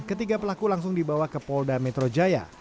ketiga pelaku langsung dibawa ke polda metro jaya